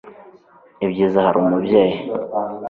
ibyiza, hari umubyeyi